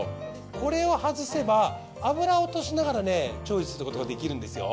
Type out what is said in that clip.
これを外せば油を落としながらね調理することができるんですよ。